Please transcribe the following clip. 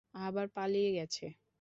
আবার পালিয়ে গেছে?